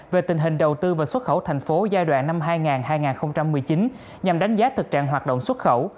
về tình hình đầu tư và xuất khẩu thành phố giai đoạn năm hai nghìn một mươi chín nhằm đánh giá thực trạng hoạt động xuất khẩu